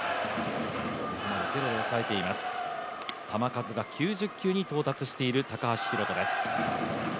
球数が９０球に到達している高橋宏斗です。